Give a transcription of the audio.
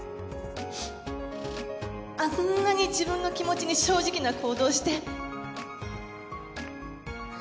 あんなに自分の気持ちに正直な行動をして。